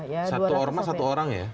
satu ormas satu orang ya